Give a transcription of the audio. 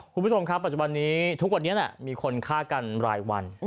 คุณผู้ชมครับปัจจุบันนี้ทุกวันนี้มีคนฆ่ากันรายวัน